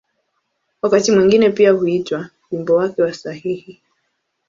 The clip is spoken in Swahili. Wakati mwingine pia huitwa ‘’wimbo wake wa sahihi’’.